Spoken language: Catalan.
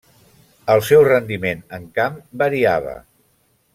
El seu rendiment en camp variava.